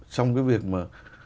trong cái việc mà